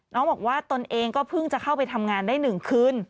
น้องบอกว่าตนเองก็เพิ่งจะเข้าไปทำงานได้๑คืน